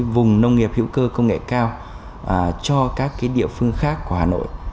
vùng nông nghiệp hữu cơ công nghệ cao cho các địa phương khác của hà nội